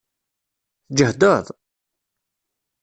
Tǧehdeḍ?